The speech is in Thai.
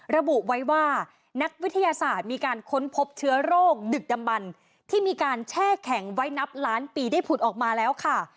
ระบุไว้ว่านักวิทยาศาสตร์มีการค้นพบเชื้อโรคดึกดำบันที่มีการแช่แข็งไว้นับล้านปีได้ผุดออกมาแล้วค่ะ